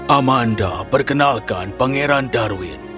amanda perkenalkan pangeran darwin